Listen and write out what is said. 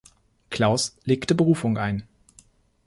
Clauß legte Berufung ein.